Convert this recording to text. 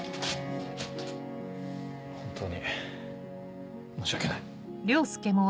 本当に申し訳ない。